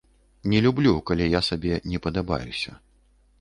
Не люблю, калі я сабе не падабаюся.